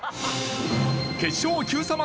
決勝の『Ｑさま！！』